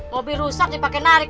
mobil rusak dipake narik